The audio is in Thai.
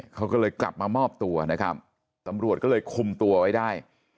เขาก็เลยกลับมามอบตัวนะครับตำรวจก็เลยคุมตัวไว้ได้